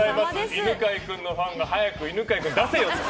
犬飼君のファンが早く犬飼君出せよ！って。